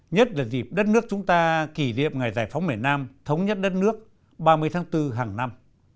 nhất là dịp đất nước chúng ta kỷ niệm ngày giải phóng miền nam thống nhất đất nước ba mươi tháng bốn hàng năm